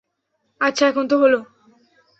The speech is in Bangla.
আচ্ছা, এখন তো হলো।